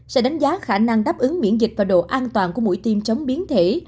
sẽ đánh giá khả năng đáp ứng miễn dịch và độ an toàn của mũi tiêm chống biến thể